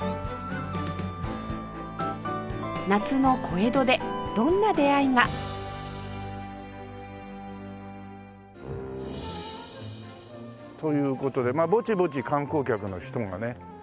夏の小江戸でどんな出会いが？という事でまあぼちぼち観光客の人がね。